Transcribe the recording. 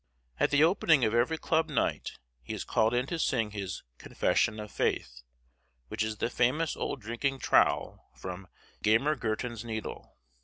At the opening of every club night he is called in to sing his "Confession of Faith," which is the famous old drinking trowl from "Gammer Gurton's Needle."